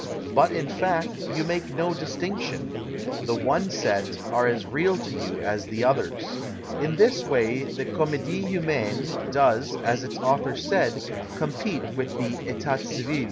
But, in fact, you make no distinction. The one set are as real to you as the others. In this way the Comedie Ilumaine does, as its author said, compete with the Etat Civil.